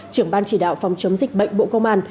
trưởng ban chỉ đạo phòng chống dịch bệnh bộ công an